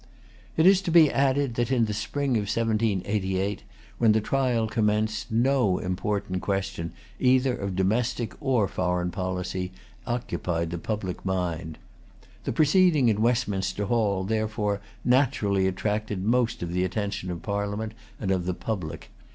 It is to be added that, in the spring of 1788, when the trial commenced, no important question, either of domestic or foreign policy, occupied the public mind. The proceeding in Westminster Hall, therefore, naturally attracted most of the attention of Parliament and of the public.